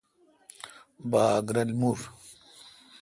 باگ رل مُر۔